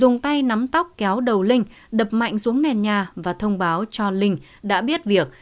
ngay nắm tóc kéo đầu linh đập mạnh xuống nền nhà và thông báo cho linh đã biết việc